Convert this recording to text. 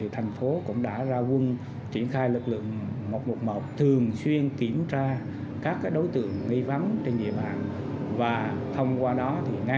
thành phố cũng đã ra quân triển khai lực lượng một trăm một mươi một thường xuyên kiểm tra các đối tượng